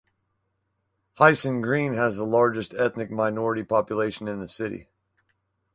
Hyson Green has the largest ethnic minority population in the city.